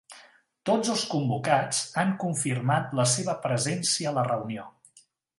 Tots els convocats han confirmat la seva presència a la reunió